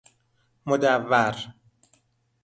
مدور